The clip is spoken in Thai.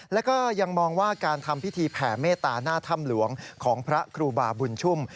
แล้วก็ยังมองว่าการทำพิธีแผ่เมตตาหน้าถ้ำหลวงของพระครูบาบุญชุ่ม